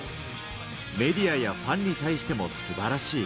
メディアやファンに対してもすばらしい。